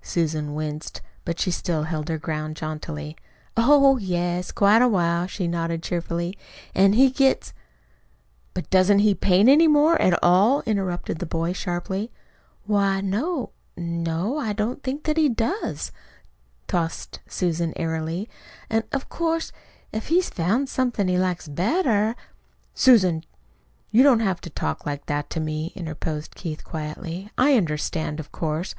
Susan winced, but she still held her ground jauntily. "Oh, yes, quite a while," she nodded cheerfully. "An' he gets " "But doesn't he paint any more at all?" interrupted the boy sharply. "Why, no; no, I don't know that he does," tossed Susan airily. "An' of course, if he's found somethin' he likes better " "Susan, you don't have to talk like that to me" interposed Keith quietly. "I understand, of course.